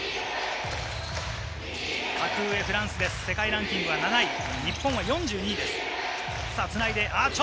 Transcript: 格上、フランスで世界ランキングは７位、日本は４２位。